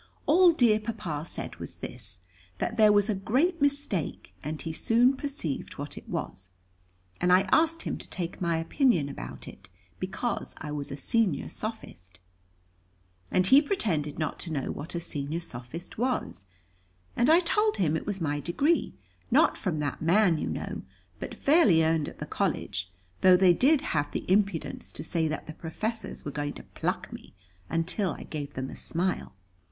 All dear Papa said was this, that there was a great mistake, and he soon perceived what it was; and I asked him to take my opinion about it, because I was a senior sophist. And he pretended not to know what a senior sophist was. And I told him it was my degree, not from that man, you know, but fairly earned at the College; though they did have the impudence to say that the Professors were going to pluck me, until I gave them a smile."